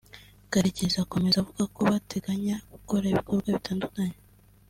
Karekezi akomeza avuga ko bateganya gukora ibikorwa bitandukanye